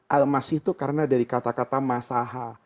al masih itu karena dari kata kata masha